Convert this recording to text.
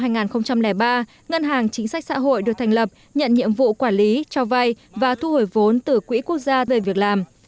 năm hai nghìn ba ngân hàng chính sách xã hội được thành lập nhận nhiệm vụ quản lý cho vay và thu hồi vốn từ quỹ quốc gia về việc làm